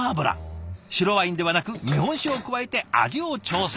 白ワインではなく日本酒を加えて味を調整。